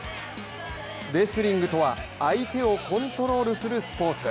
レスリングとは相手をコントロールするスポーツ。